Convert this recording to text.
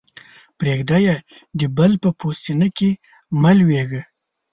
پرېږده يې؛ د بل په پوستينه کې مه لویېږه.